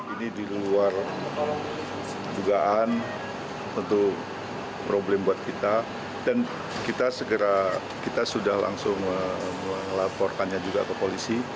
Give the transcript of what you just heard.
ini di luar jugaan untuk problem buat kita dan kita sudah langsung melaporkannya juga ke polisi